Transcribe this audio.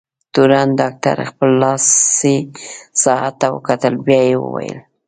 تورن ډاکټر خپل لاسي ساعت ته وکتل، بیا یې وویل: